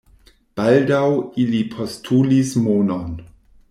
Baldaŭ ili postulis monon.